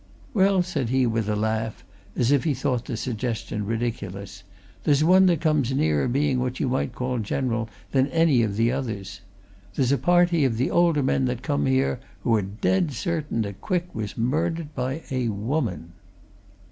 "Well," said he, with a laugh, as if he thought the suggestion ridiculous, "there's one that comes nearer being what you might call general than any of the others. There's a party of the older men that come here who're dead certain that Quick was murdered by a woman!"